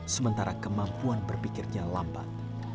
sementara kemampuan berpikirnya lambat